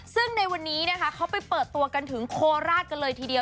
ซึ่งในวันนี้นะคะเขาไปเปิดตัวกันถึงโคราชกันเลยทีเดียว